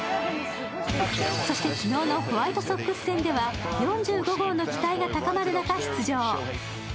そして昨日のホワイトソックス戦では４５号の期待が高まる中、出場。